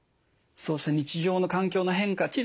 そうした日常の環境の変化